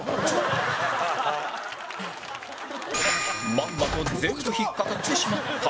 まんまと全部引っかかってしまった